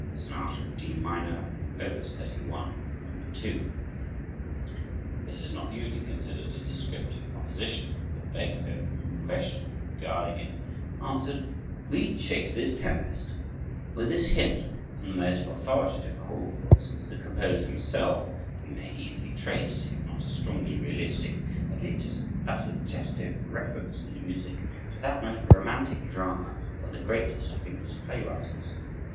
Beethoven: Sonata in D Minor, Op. 31, No. 2 This is not usually considered a descriptive composition, but Beethoven, when questioned regarding it, answered: "Read Shakespeare's 'Tempest.'" With this hint from the most authoritative of all sources, the composer himself, we may easily trace, if not a strongly realistic, at least a suggestive reference in the music to that most romantic drama by the greatest of English play writers.